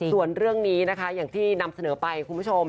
ส่วนเรื่องนี้นะคะอย่างที่นำเสนอไปคุณผู้ชม